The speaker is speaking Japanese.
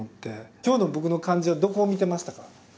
今日の僕の感じはどこを見てましたか？